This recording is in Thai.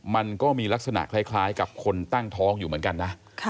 มันก็มีลักษณะคล้ายกับคนตั้งท้องอยู่เหมือนกันนะ